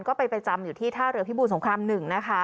ก็ไปไปจำอยู่ที่ท่าเรือพี่บูรสงครามหนึ่งนะคะ